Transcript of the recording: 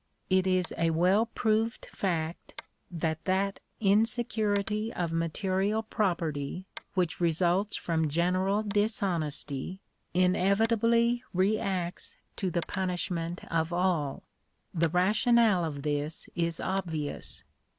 It is a well proved fact, that that insecurity of material property which results from general dishonesty, inevitably reacts to the punishment of all. The rationale of this is obvious.